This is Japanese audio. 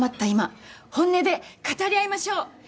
今本音で語り合いましょう。